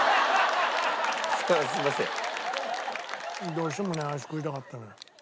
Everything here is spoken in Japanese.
どうしてもねアイス食いたかったのよ。